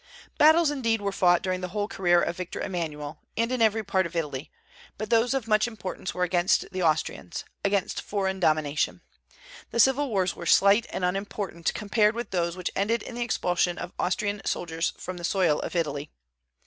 Battles indeed were fought during the whole career of Victor Emmanuel, and in every part of Italy; but those of much importance were against the Austrians, against foreign domination. The civil wars were slight and unimportant compared with those which ended in the expulsion of Austrian soldiers from the soil of Italy.